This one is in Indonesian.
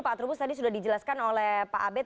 pak trubus tadi sudah dijelaskan oleh pak abed